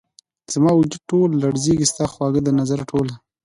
زما وجود ټوله لرزیږې ،ستا خواږه ، دنظر ټوله